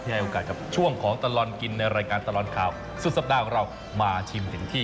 ให้โอกาสกับช่วงของตลอดกินในรายการตลอดข่าวสุดสัปดาห์ของเรามาชิมถึงที่